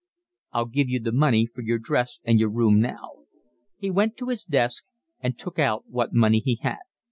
"I'll give you the money for your dress and your room now." He went to his desk and took out what money he had.